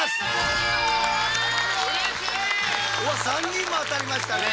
３人も当たりましたね。